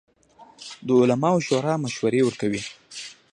د علماوو شورا مشورې ورکوي